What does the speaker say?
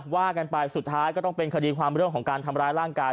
ว่ากันไปสุดท้ายก็ต้องเป็นคดีความเรื่องของการทำร้ายร่างกาย